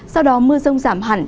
sau đó mưa rông giảm hẳn